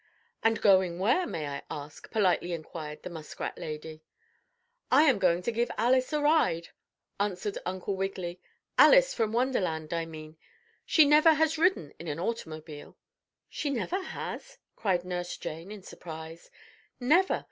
"And going where, may I ask?" politely inquired the muskrat lady. "I am going to give Alice a ride," answered Uncle Wiggily. "Alice from Wonderland, I mean. She never has ridden in an automobile." "She never has?" cried Nurse Jane, in surprise. "Never!